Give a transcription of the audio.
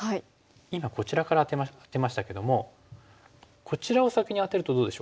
今こちらからアテましたけどもこちらを先にアテるとどうでしょう？